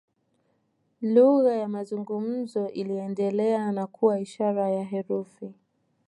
Lugha ya mazungumzo iliendelea na kuwa ishara na herufi.